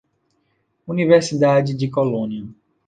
Universidade de Colônia.